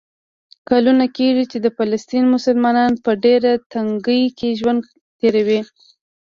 کلونه کېږي چې د فلسطین مسلمانان په ډېره تنګۍ کې ژوند تېروي.